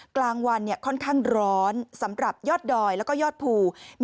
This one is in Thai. กลางวันค่อนข้างร้อนสำหรับยอดดอยแล้วก็ยอดภู